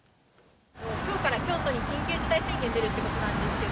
きょうから京都に緊急事態宣言出るってことなんですけど。